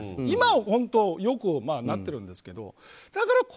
今はよくなってるんですけど。